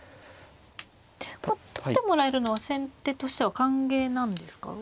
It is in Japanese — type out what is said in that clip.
取ってもらえるのは先手としては歓迎なんですか。